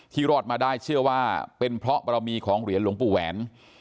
รอดมาได้เชื่อว่าเป็นเพราะบรมีของเหรียญหลวงปู่แหวน